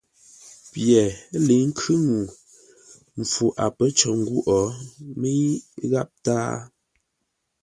Pye ləi khʉ́ ŋuu mpfu a pə́ cər ngwôʼ, mə́i gháp tâa.